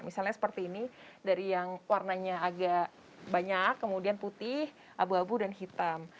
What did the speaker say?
misalnya seperti ini dari yang warnanya agak banyak kemudian putih abu abu dan hitam